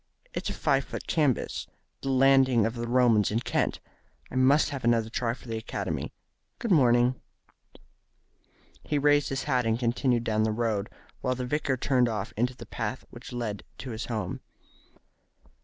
It's a five foot canvas the landing of the Romans in Kent. I must have another try for the Academy. Good morning." He raised his hat and continued down the road, while the vicar turned off into the path which led to his home.